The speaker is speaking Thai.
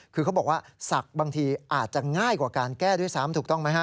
คือเขาบอกว่าศักดิ์บางทีอาจจะง่ายกว่าการแก้ด้วยซ้ำถูกต้องไหมฮะ